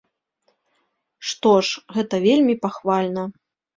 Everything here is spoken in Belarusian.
Што ж, гэта вельмі пахвальна.